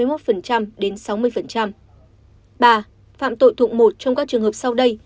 bà phạm tội thuộc một trong các trường hợp sau đây